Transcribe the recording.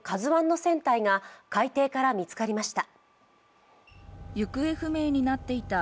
「ＫＡＺＵⅠ」の船体が海底から見つかりました。